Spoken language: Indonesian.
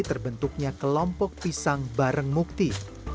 terbentuknya kelompok pisang bareng mukti